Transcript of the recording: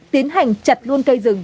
tiến hành chặt luôn cây rừng